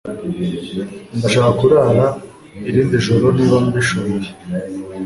Ndashaka kurara irindi joro niba mbishoboye.